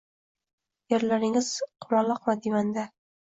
Yerlaringiz qumaloqma, diyman-da